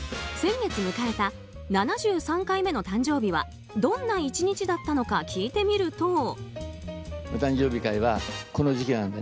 先月迎えた７３回目の誕生日はどんな１日だったのか聞いてみると。